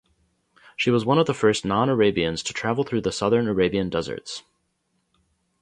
She was one of the first non-Arabians to travel through the southern Arabian Deserts.